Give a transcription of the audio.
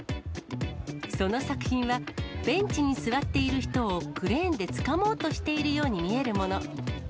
その作品は、ベンチに座っている人をクレーンでつかもうとしているように見えるもの。